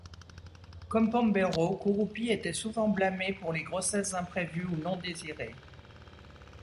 Comme Pombero, Kurupi était souvent blâmé pour les grossesses imprévues ou non désirées.